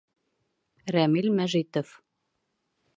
Рәмил МӘЖИТОВ: